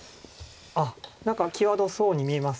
あっ何か際どそうに見えます。